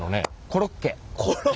コロッケ。